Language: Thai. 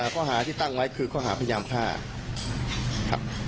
ข้อหาที่ตั้งไว้คือข้อหาพยามภาค